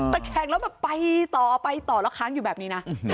แต่แข่งแล้วแบบไปต่อไปต่อแล้วค้างอยู่แบบนี้นะ